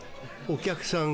お客さん